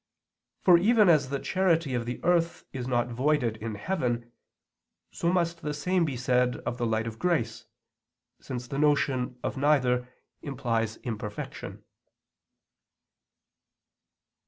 For even as the charity of the earth is not voided in heaven, so must the same be said of the light of grace, since the notion of neither implies imperfection.